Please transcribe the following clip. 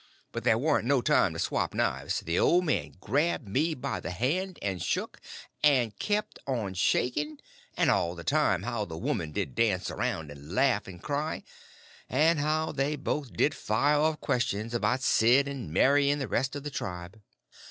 But there warn't no time to swap knives; the old man grabbed me by the hand and shook, and kept on shaking; and all the time how the woman did dance around and laugh and cry; and then how they both did fire off questions about Sid, and Mary, and the rest of the tribe.